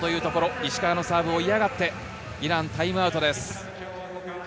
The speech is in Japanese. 石川のサーブを嫌がってイラン、タイムアウトです。